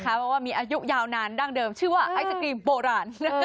เพราะว่ามีอายุยาวนานดั้งเดิมชื่อว่าไอศกรีมโบราณ